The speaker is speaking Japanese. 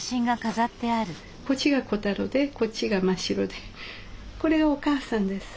こっちがコタロでこっちがマシロでこれお母さんです。